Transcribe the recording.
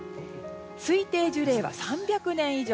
推定樹齢は３００年以上。